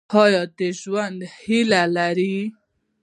ایا د ژوند هیله لرئ؟